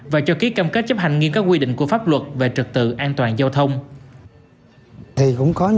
và cho ký cam kết chấp hành nghiêm các quy định của pháp luật về trực tự an toàn giao thông